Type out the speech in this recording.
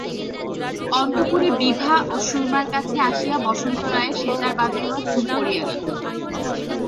অন্তঃপুরে বিভা ও সুরমার কাছে আসিয়া বসন্ত রায়ের সেতার বাজাইবার ধুম পড়িয়া গেল।